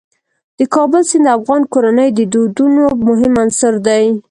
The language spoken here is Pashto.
د کابل سیند د افغان کورنیو د دودونو مهم عنصر دی.